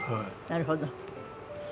なるほど。